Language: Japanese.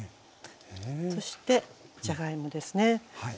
そしてじゃがいもですね。